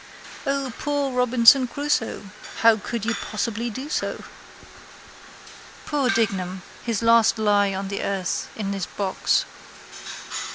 O, poor Robinson Crusoe! How could you possibly do so? Poor Dignam! His last lie on the earth in his box.